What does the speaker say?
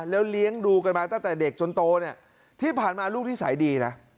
แล้วเลี้ยงดูกันมาตั้งแต่เด็กจนโตเนี่ยที่ผ่านมาลูกนิสัยดีนะ